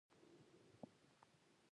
کاناډا د زړو خلکو پالنه کوي.